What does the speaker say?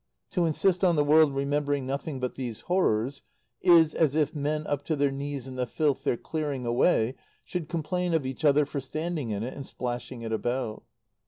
To insist on the world remembering nothing but these horrors is as if men up to their knees in the filth they're clearing away should complain of each other for standing in it and splashing it about.